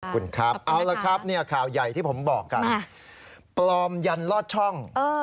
คุณครับเอาละครับข่าวใหญ่ที่ผมบอกกันปลอมยันลอดช่อง